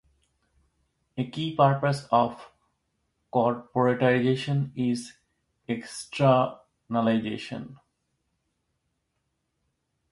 A key purpose of corporatization is externalization.